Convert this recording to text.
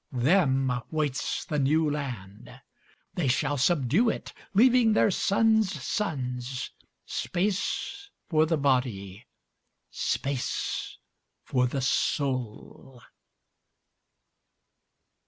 Them waits the New Land; They shall subdue it, Leaving their sons' sonsSpace for the body, Space for the soul.